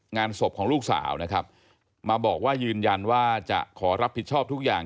งานศพของลูกสาวนะครับมาบอกว่ายืนยันว่าจะขอรับผิดชอบทุกอย่าง